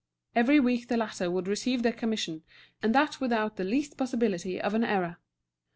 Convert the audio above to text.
Every week the latter would receive their commission, and that without the least possibility of any error.